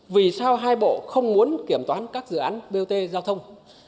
vì sao hai bộ không muốn kiểm toán các dự án bot giao thông